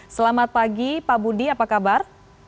selamat pagi pak budi apa kabar